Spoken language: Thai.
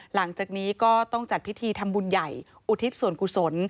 หลังจากนี้ก็ต้องจัดพิธีทำบุญใหญ่อุทิศส่วนกุศล